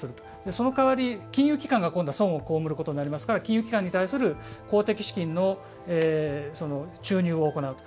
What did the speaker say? そのかわり金融機関が今度は損を被ることになりますから金融機関に対する公的資金の注入を行うと。